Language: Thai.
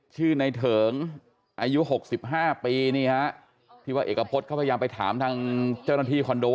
ชื่อในเถิงอายุ๖๕ปีนี่ฮะที่ว่าเอกพฤษเขาพยายามไปถามทางเจ้าหน้าที่คอนโด